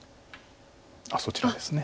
あっそちらですね。